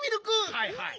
はいはい。